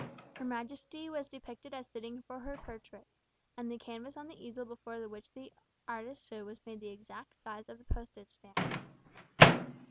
Her Majesty was depicted as sitting for her portrait, and the canvas on the easel before which the artist stood was made the exact size of the postage stamp.